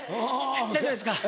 大丈夫ですか？